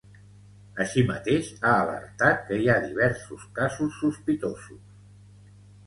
Així mateix, ha alertat que hi havia diversos casos sospitosos.